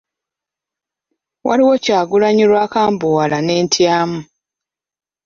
Waliwo Kyagulanyi lw’akambuwala ne ntyamu.